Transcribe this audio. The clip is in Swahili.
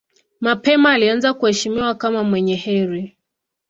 Mapema alianza kuheshimiwa kama mwenye heri.